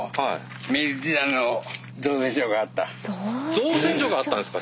造船所があったんですか？